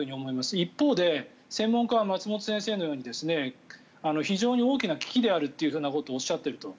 一方で専門家は松本先生のように非常に大きな危機であるというふうなことをおっしゃっていると。